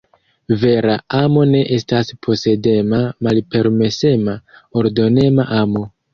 Vera amo ne estas posedema, malpermesema, ordonema amo.